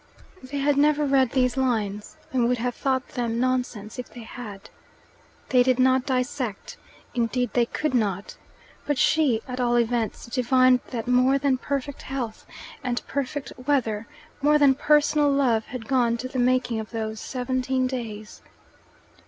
They had never read these lines, and would have thought them nonsense if they had. They did not dissect indeed they could not. But she, at all events, divined that more than perfect health and perfect weather, more than personal love, had gone to the making of those seventeen days.